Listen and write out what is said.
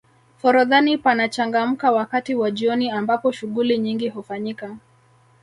forodhani panachangamka wakati wa jioni ambapo shughuli nyingi hufanyika